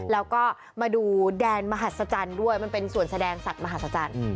แล้วก็มาดูแดนมหัศจรรย์ด้วยมันเป็นส่วนแสดงสัตว์มหาศจรรย์